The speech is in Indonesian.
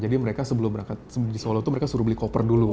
jadi mereka sebelum berangkat di solo itu mereka suruh beli koper dulu